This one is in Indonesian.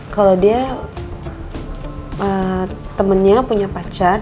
kalau dia temennya punya pacar